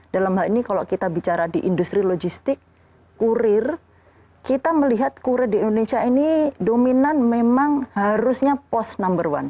dalam hal ini kalau kita bicara di industri logistik kurir kita melihat kurir di indonesia ini dominan memang harusnya post number one